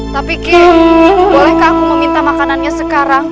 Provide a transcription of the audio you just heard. tapi kim bolehkah aku meminta makanannya sekarang